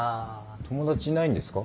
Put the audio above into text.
友達いないんですか？